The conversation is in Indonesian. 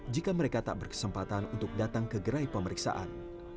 jika mereka tak berkesempatan untuk datang ke gerai pemeriksaan